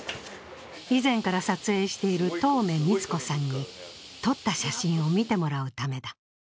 以前から撮影している当銘光子さんに、撮った写真を見てもらうためだ。